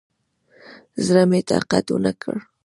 زړه مې طاقت ونکړ.